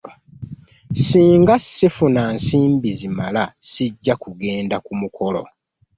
Singa sifuna nsimbi zimala sijja kugenda ku mukolo.